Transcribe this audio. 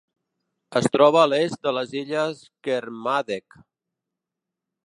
Es troba a l'est de les Illes Kermadec.